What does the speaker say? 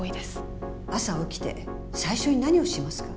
朝起きて最初に何をしますか？